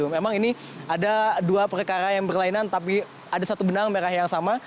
memang ini ada dua perkara yang berlainan tapi ada satu benang merah yang sama